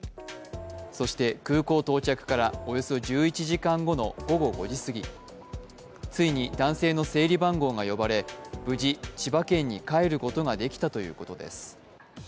そして空港到着からおよそ１１時間後の午後５時過ぎ、ついに男性の整理番号が呼ばれ無事、千葉県に帰ることができたということです。